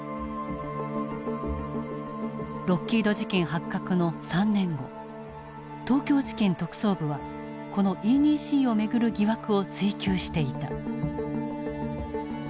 ロッキード事件発覚の３年後東京地検特捜部はこのＥ２Ｃを巡る疑惑を追及していた。